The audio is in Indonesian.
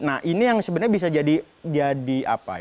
nah ini yang sebenarnya bisa jadi